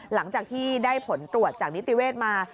หลังจากที่ได้ผลตรวจจากนิติเวศมา